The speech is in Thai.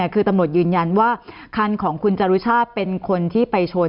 คือตำรวจยืนยันว่าคันของคุณจรุชาติเป็นคนที่ไปชน